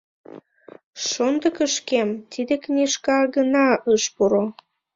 Шондыкышкем тиде книжка гына ыш пуро.